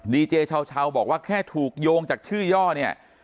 ดีเจเช้าบอกว่าแค่ถูกโยงจากชื่อย่อเนี่ย